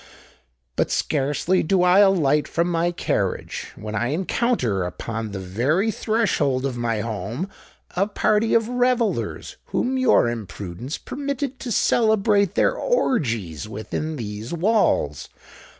But scarcely do I alight from my carriage, when I encounter upon the very threshold of my home a party of revellers whom your imprudence permitted to celebrate their orgies within these walls.